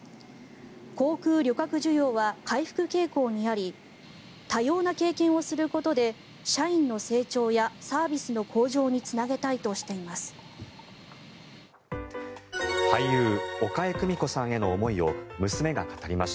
航空旅客需要は回復傾向にあり多様な経験をすることで社員の成長やサービスの向上につなげたいとしています。